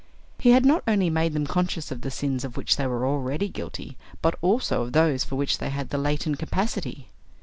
He had not only made them conscious of the sins of which they were already guilty, but also of those for which they had the latent capacity.